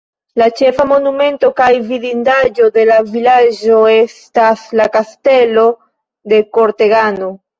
La ĉefa monumento kaj vidindaĵo de la vilaĝo estas la Kastelo de Kortegano.